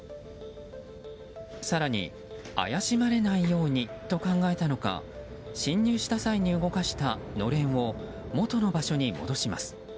更に怪しまれないようにと考えたのか侵入した際に動かしたのれんを元の場所に戻します。